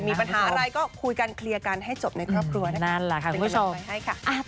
มีปัญหาอะไรก็คุยกันเคลียร์กันให้จบในครอบครัวนะคะคุณผู้ชม